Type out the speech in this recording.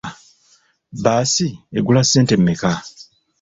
Bbaasi egula ssente mmeka?